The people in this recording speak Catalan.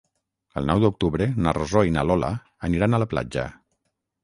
El nou d'octubre na Rosó i na Lola aniran a la platja.